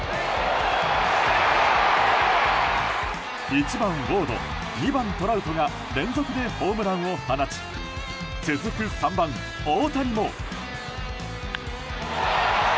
１番、ウォード２番、トラウトが連続でホームランを放ち続く３番、大谷も。